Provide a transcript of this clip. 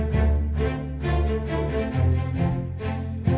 เจ้งคุณหมอว่าวันที่สามเมษจะกลับวันที่สี่ใช่ไหมคะ